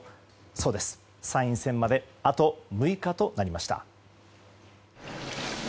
そうです、参院選まであと６日となりました。